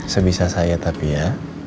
sebisa saya tapi ya